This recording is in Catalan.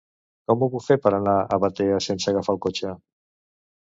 Com ho puc fer per anar a Batea sense agafar el cotxe?